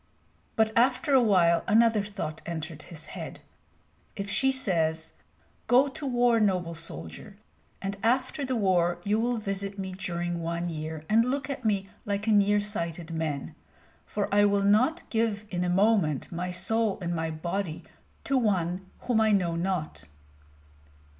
But after a while another thought entered his head: if she says, "Go to war, noble soldier, and after the war you will visit me during one year and look at me like a nearsighted man, for I will not give in a moment my soul and my body to one whom I know not!"